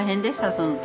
その時。